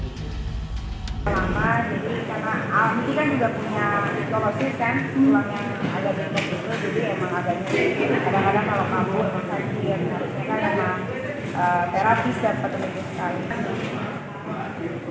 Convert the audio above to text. karena alami kita juga punya kondisi yang ada di rumah sakit jadi memang agaknya kadang kadang kalau mampu